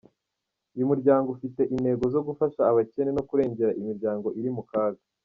Uyu muryango ufite intego zo gufasha abakene no kurengera imiryango iri mu kaga.